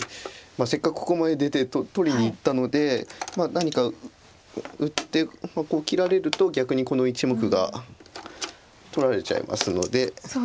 せっかくここまで出て取りにいったので何か打ってこう切られると逆にこの１目が取られちゃいますので。